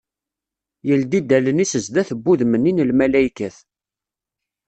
Yeldi-d allen-is sdat n wudem-nni n lmalaykat.